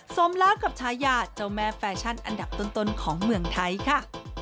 สมแล้วกับชายาเจ้าแม่แฟชั่นอันดับต้นของเมืองไทยค่ะ